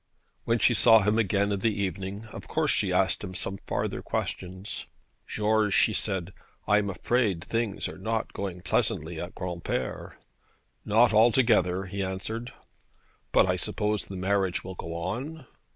When she saw him again in the evening, of course she asked him some farther questions. 'George,' she said, 'I am afraid things are not going pleasantly at Granpere.' 'Not altogether,' he answered. 'But I suppose the marriage will go on?'